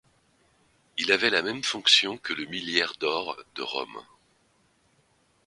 Il avait la même fonction que le Milliaire d'or de Rome.